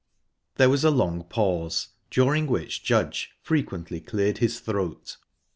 There was a long pause, during which Judge frequently cleared his throat.